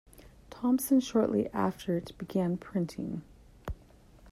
Thompson shortly after it began printing.